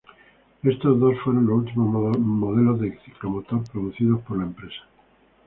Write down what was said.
Estos dos fueron los últimos modelos de ciclomotor producidos por la empresa.